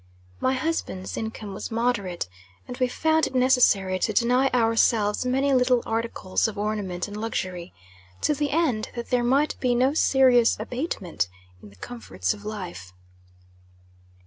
My husband's income was moderate, and we found it necessary to deny ourselves many little articles of ornament and luxury, to the end that there might be no serious abatement in the comforts of life.